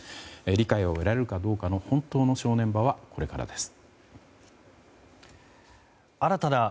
理解を得られるかどうかの本当の正念場はこれからです。